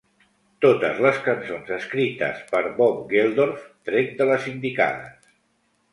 Totes les cançons escrites per Bob Geldof tret de les indicades.